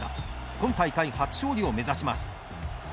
今大会初勝利を目指します。